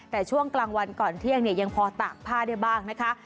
แต่ช่วงกลางวันก่อนเที่ยงเนี่ยยังพอตากผ้าได้บ้างนะคะ